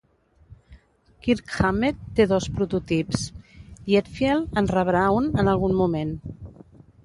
Kirk Hammet té dos prototips, i Hetfield en rebrà un en algun moment.